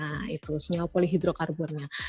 nah itu sinyal polyhidrokarbonnya